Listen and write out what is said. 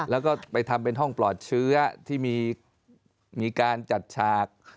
แล้วก็ไปทำเป็นห้องปลอดเชื้อที่มีการจัดฉาก